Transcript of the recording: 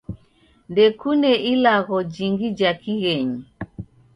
Ndekune ilagho jingi ja kighenyi.